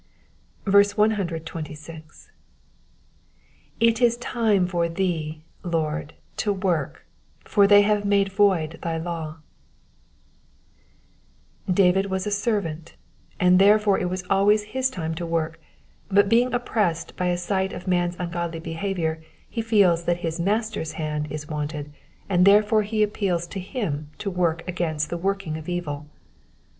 12tt. /it U time for tJiee^ Lohd, to worJc: for they have made void thy law,'''* David was a servant, and therefore it was always his time to work : but being oppressed by a sight of man's ungodly behaviour, he feels that hia Master^s nand is wanted, and therefore he appeals to him to work against the working of ^vil.